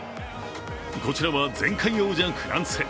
こちらは前回王者・フランス。